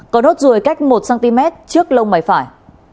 còn hốt ruồi cách một cm trước lông mái phải